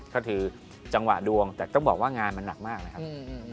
ก็คือจังหวะดวงแต่ต้องบอกว่างานมันหนักมากนะครับ